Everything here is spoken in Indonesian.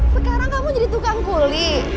sekarang kamu jadi tukang kuli